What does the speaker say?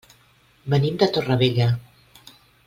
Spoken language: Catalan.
Venim de Torrevella.